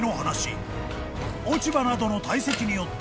［落ち葉などの堆積によって］